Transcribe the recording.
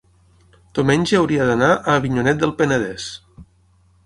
diumenge hauria d'anar a Avinyonet del Penedès.